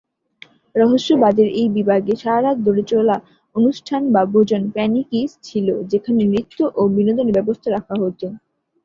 রহস্যবাদের এই বিভাগে সারারাত ধরে চলা অনুষ্ঠান বা ভোজন"প্যানিকিস" ছিল, যেখানে নৃত্য ও বিনোদনের ব্যবস্থা রাখা হত।